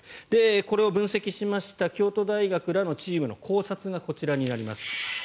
これを分析した京都大学らのチームの考察がこちらになります。